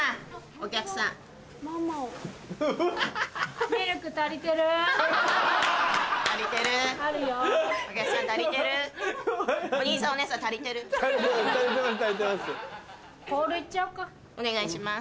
お願いします。